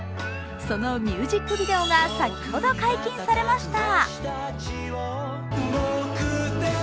そのミュージックビデオが先ほど解禁されました。